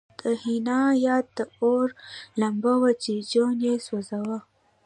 د حنا یاد د اور لمبه وه چې جون یې سوځاوه